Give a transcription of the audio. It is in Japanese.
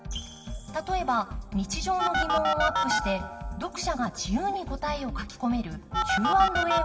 例えば日常の疑問をアップして読者が自由に答えを書き込めるＱ＆Ａ方式のもの。